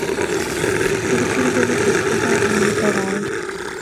پھری پھری جذوں تھکے تے مُڑی کہرا آئے